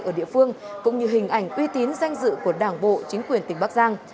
ở địa phương cũng như hình ảnh uy tín danh dự của đảng bộ chính quyền tỉnh bắc giang